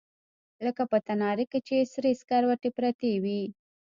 لکه په تناره کښې چې سرې سکروټې پرتې وي.